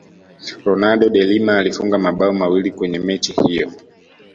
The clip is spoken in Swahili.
ronaldo de Lima alifunga mabao mawili kwenye mechi hiyo